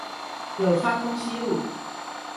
柳川東西路